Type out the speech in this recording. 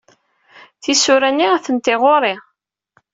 Tisura-inni atenti ɣur-i.